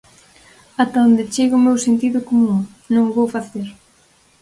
Ata onde chegue o meu sentido común, non o vou facer.